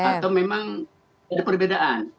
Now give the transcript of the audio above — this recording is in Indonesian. atau memang ada perbedaan